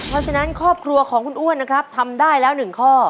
เพราะฉะนั้นครอบครัวของคุณอ้วนนะครับทำได้แล้ว๑ข้อ